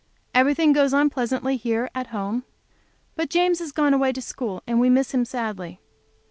Everything goes on pleasantly here at home. But James has gone away to school, and we miss him sadly.